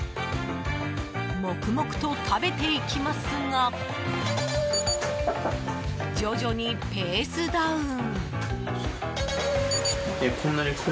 黙々と食べていきますが徐々にペースダウン。